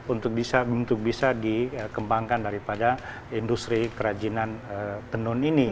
untuk bisa dikembangkan daripada industri kerajinan tenun ini